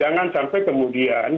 jangan sampai kemudian